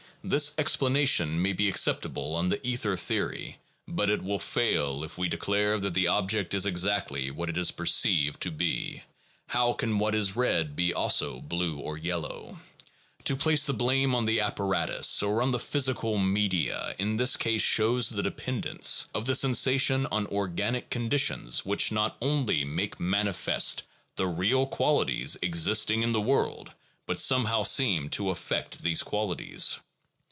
This explanation may be acceptable on the ether theory, but it will fail if we declare that the object is exactly what it is perceived to be; how can what is red be also blue or yellow? To place the blame on the apparatus or on the physical media in this case shows the dependence of the sensation on organic conditions which not only make manifest the real qualities existing in the world, but somehow seem to affect these qualities.